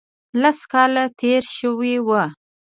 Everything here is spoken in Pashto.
لس کاله تېر شوي وو.